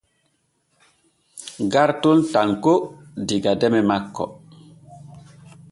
Garton tanko diga deme manko.